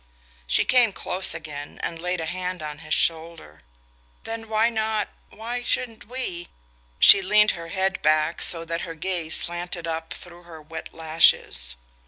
She came close again and laid a hand on his shoulder. "Then why not why shouldn't we ?" She leaned her head back so that her gaze slanted up through her wet lashes.